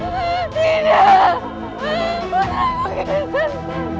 putraku kian santan